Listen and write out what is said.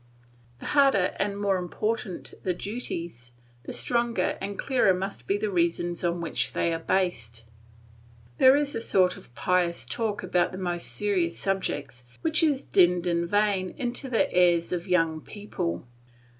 The harder and more important the duties, the stronger and clearer must be the reasons on which they are based. There is a sort of pious talk about the most serious subjects which is dinned in vain into the ears of young people.